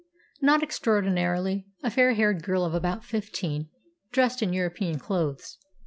"Not extraordinarily a fair haired girl of about fifteen, dressed in European clothes.